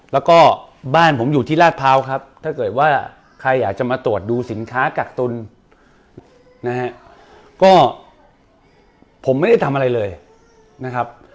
แล้วก็บ้านผมอยู่ที่ราชพร้าวครับถ้าเกิดว่าใครอยากจะมาตรวจดูสินค้ากักตุลนะฮะก็ผมไม่ได้ทำอะไรเลยนะครับ